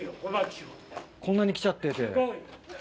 こんなに来ちゃってて。